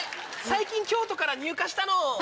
最近京都から入荷したの。